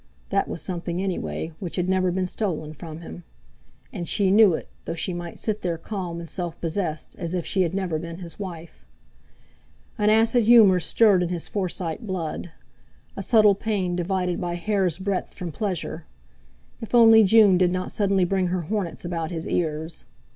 That was something, anyway, which had never been stolen from him. And she knew it, though she might sit there calm and self possessed, as if she had never been his wife. An acid humour stirred in his Forsyte blood; a subtle pain divided by hair's breadth from pleasure. If only June did not suddenly bring her hornets about his ears!